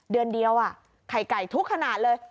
เดือนเดียวไข่ไก่ทุกขนาดเลย